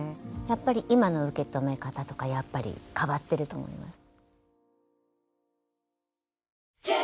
やっぱり今の受け止め方とかやっぱり変わってると思います。